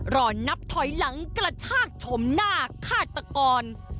รอนับถอยหลังกระชากชมหน้าฆาตกร